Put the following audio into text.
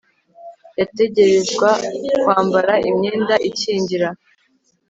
yategerezwa kwambara imyenda ikingira